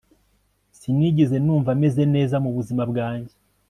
Sinigeze numva meze neza mubuzima bwanjye